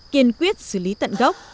kiên quyết xử lý tận gốc